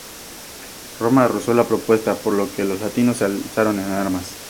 Roma rehusó la propuesta, por lo que los latinos se alzaron en armas.